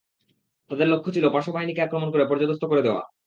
তাদের লক্ষ্য ছিল, পার্শ্ব-বাহিনীকে আক্রমণ করে পর্যদস্ত করে দেয়া।